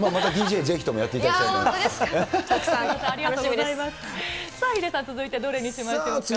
またＤＪ、ぜひともやっていただきたいなと。